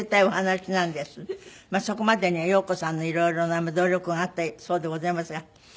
そこまでには陽子さんの色々な努力があったそうでございますが。